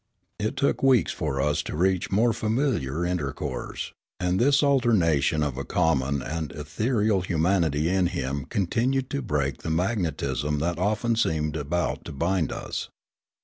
It took weeks for us to reach more familiar inter course ; and this alternation of a common and ethereal humanit}' in him continued to break the magnetism that often seemed about to bind us.